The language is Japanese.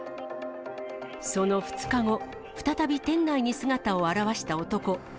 その２日後、再び店内に姿を現した男。